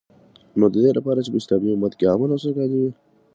نو ددی لپاره چی په اسلامی امت کی امن او سوکالی وی